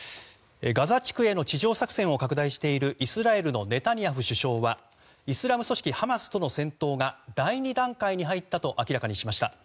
ガザ地区への地上作戦を拡大しているイスラエルのネタニヤフ首相はイスラム組織ハマスとの戦闘が第２段階に入ったと明らかにしました。